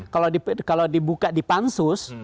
kalau dibuka di pansus